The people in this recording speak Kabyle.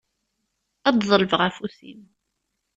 Ad d-ḍelbeɣ afus-im.